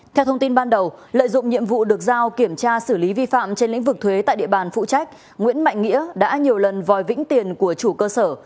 theo thông tin ban đầu lợi dụng nhiệm vụ được giao kiểm tra xử lý vi phạm trên lĩnh vực thuế tại địa bàn phụ trách nguyễn mạnh nghĩa đã nhiều lần vòi vĩnh tiền của chủ cơ sở